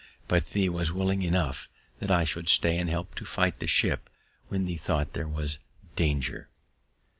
But thee was willing enough that I should stay and help to fight the ship when thee thought there was danger."